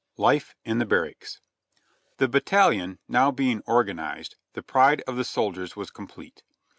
LiFi; IN THE BARRACKS. The battalion now being organized, the pride of the soldiers was complete.